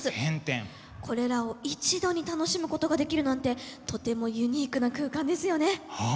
これらを一度に楽しむことができるなんてとてもユニークな空間ですよね。